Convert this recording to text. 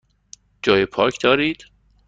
جای پارک دارید؟